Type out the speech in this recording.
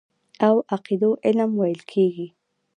او عقيدو علم ويل کېږي.